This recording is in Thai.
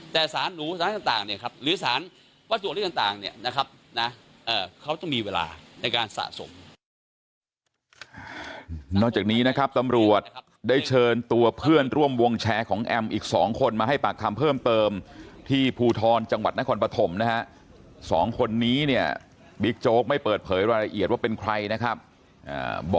แต่สารหนูหรือสารวัตถุประสงค์พอดีต่านนี่นะครับ